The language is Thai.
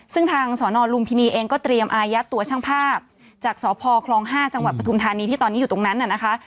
ซึ่งทางสนลุมพินีเองก็เตรียมอายัดตัวช่างภาพจากสพคลอง๕จังหวัดปฐุมธานีที่ตอนนี้อยู่ตรงนั้นน่ะนะคะ